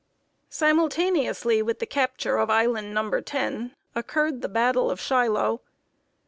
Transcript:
] Simultaneously with the capture of Island Number Ten occurred the battle of Shiloh.